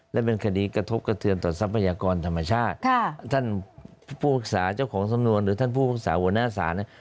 และเป็นคดีกระทบกระเทือนต่อทรัพยากรธรรมชาติค่ะท่านผู้ปรึกษาเจ้าของสำนวนหรือท่านผู้ปรึกษาหัวหน้าศาลเนี่ย